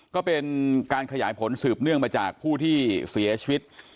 ก็เป็นการขยายผลสืบเนื่องมาจากผู้ที่เสียชีวิต